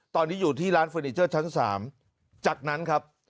ตอนนี้อยู่ที่ร้านเฟอร์นิเจอร์ชั้น๓จากนั้นครับ